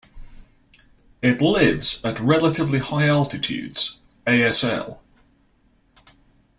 It lives at relatively high altitudes, asl.